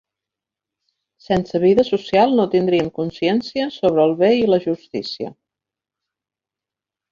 Sense vida social no tindríem consciència sobre el bé i la justícia.